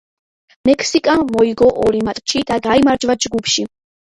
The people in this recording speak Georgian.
მექსიკამ მოიგო ორი მატჩი და გაიმარჯვა ჯგუფში.